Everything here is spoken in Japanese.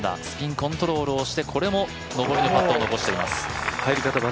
スピンコントロールをしてこれも上りのパットを残しています。